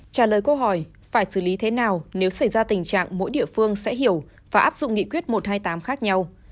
trả lời câu hỏi phải xử lý thế nào nếu xảy ra tình trạng mỗi địa phương sẽ hiểu và áp dụng nghị quyết một trăm hai mươi tám khác nhau